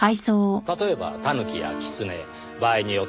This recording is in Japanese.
例えばタヌキやキツネ場合によったらリスとか。